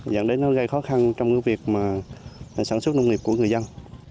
dẫn đến nó gây khó khăn trong cái việc mà sản xuất nông nghiệp của người dân